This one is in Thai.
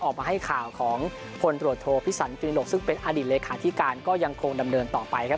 ออกมาให้ข่าวของผลตรวจโทษพี่สั่นค่ะซึ่งเป็นอดีตเลยค่ะที่การก็ยังคงดำเนินต่อไปครับ